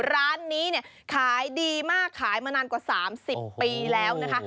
ร้านนี้เนี่ยขายดีมากขายมานานกว่า๓๐ปีแล้วนะคะ